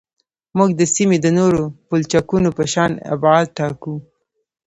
موږ د سیمې د نورو پلچکونو په شان ابعاد ټاکو